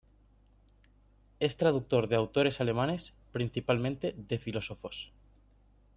Es traductor de autores alemanes, principalmente de filósofos.